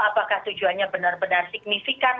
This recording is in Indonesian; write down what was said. apakah tujuannya benar benar signifikan